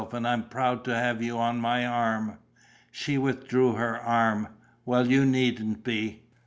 And I'm proud to have you on my arm." She withdrew her arm: "Well, you needn't be."